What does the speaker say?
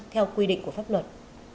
theo quy định của pháp luật